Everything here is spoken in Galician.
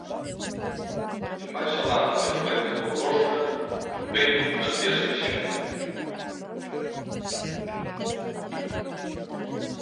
E máis alá da medorenta congostra topeime cunha aldea sen xente.